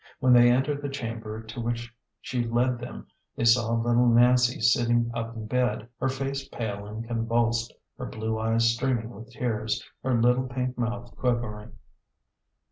When they entered the chamber to which she led them they saw little Nancy sit ting up in bed, her face pale and convulsed, her blue eyes streaming with tears, her little pink mouth quivering.